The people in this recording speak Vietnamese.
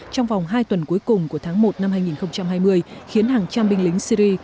trong vòng hai tuần cuối cùng của tháng một năm hai nghìn hai mươi khiến hàng trăm binh lính syri